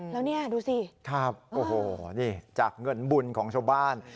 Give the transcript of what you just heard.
แล้วนี่ดูสิจากเงินบุญของชาวบ้าน